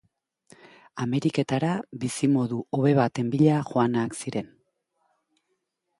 Ameriketara, bizimodu hobe baten bila joanak ziren.